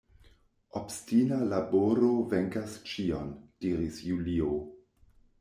Obstina laboro venkas ĉion, diris Julio.